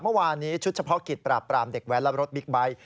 เมื่อวานนี้ชุดเฉพาะกิจปราบปรามเด็กแว้นและรถบิ๊กไบท์